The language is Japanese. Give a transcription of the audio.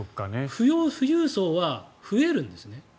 富裕層は増えるんですね。